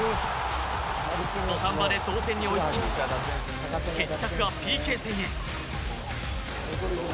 土壇場で同点に追いつき決着はＰＫ戦へ。